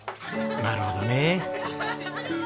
なるほどね。